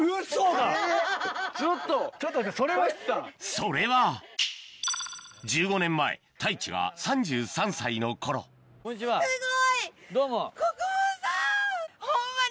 それは１５年前太一が３３歳の頃どうも。